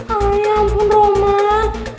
ayah ampun roman